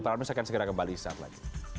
prime news akan segera kembali saat lagi